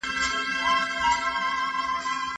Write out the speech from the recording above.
شجاع الدوله د واک په برخه کې نور قدمونه واخیستل.